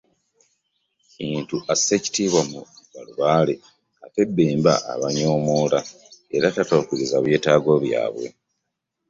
Kintu assa ekitiibwa mu balubaale ate Bemba abanyomoola era tatuukiriza byetaago byabwe.